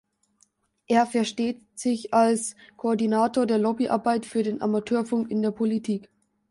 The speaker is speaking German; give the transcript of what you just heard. Er versteht sich als Koordinator der Lobbyarbeit für den Amateurfunk in der Politik.